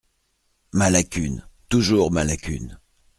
Ma lacune ! toujours ma lacune !…